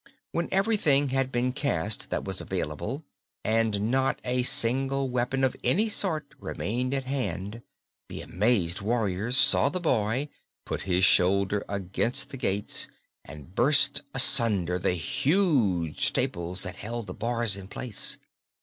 When everything had been cast that was available and not a single weapon of any sort remained at hand, the amazed warriors saw the boy put his shoulder against the gates and burst asunder the huge staples that held the bars in place.